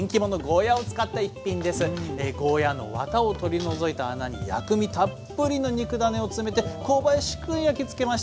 ゴーヤーのワタを取り除いた穴に薬味たっぷりの肉ダネを詰めて香ばしく焼きつけました。